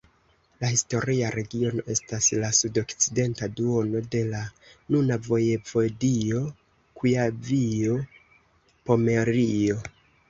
La historia regiono estas la sudokcidenta duono de la nuna vojevodio Kujavio-Pomerio.